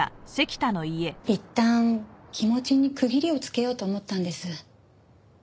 いったん気持ちに区切りをつけようと思ったんです。